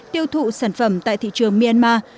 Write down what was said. tiêu thụ sản phẩm tại thị trường myanmar